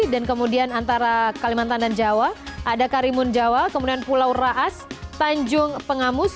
dan kemudian antara kalimantan dan jawa ada karimun jawa kemudian pulau raas tanjung pengamus